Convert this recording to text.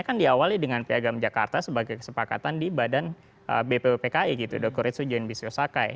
kan diawali dengan piagam jakarta sebagai kesepakatan di bppki dokter ritsu jenbis yosakai